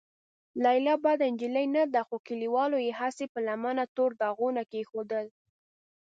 لیلا بده نجلۍ نه ده، خو کليوالو یې هسې په لمنه تور داغونه کېښودل.